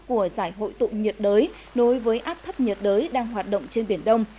của giải hội tụ nhiệt đới nối với áp thấp nhiệt đới đang hoạt động trên biển đông